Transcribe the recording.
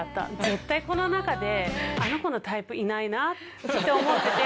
絶対この中で、あの子のタイプ、いないなって思ってて。